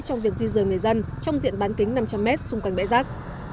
trong việc di dời người dân trong diện bán kính năm trăm linh m xung quanh bãi rác